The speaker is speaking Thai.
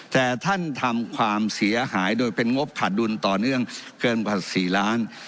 แต่ท่านทำความเสียหายโดยเป็นงบขาดดุลต่อเนื่องเกินกว่า๔ล้าน